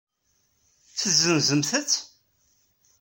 Tezenzemt-t?